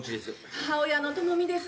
母親の友見です。